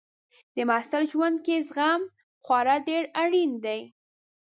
د محصل ژوند کې زغم خورا ډېر اړین دی.